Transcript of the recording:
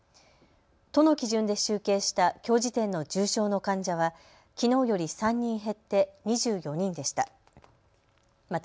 都の基準で集計したきょう時点の重症の患者はきのうより３人減って２４人でした。